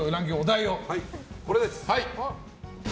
これです。